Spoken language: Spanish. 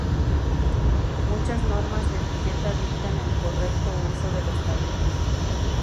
Muchas normas de etiqueta dictan el correcto uso de los palillos.